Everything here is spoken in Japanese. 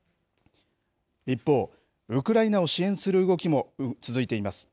一方、ウクライナを支援する動きも続いています。